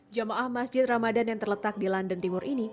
jamaah masjid ramadan yang terletak di london timur ini